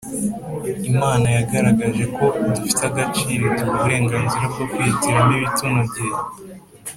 Imana yagaragaje ko dufite agaciro iduha uburenganzira bwo kwihitiramo ibitunogeye